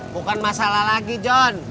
bukan masalah lagi john